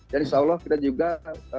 dan insya allah kita juga terus membagikan